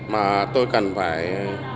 mà tôi cần phải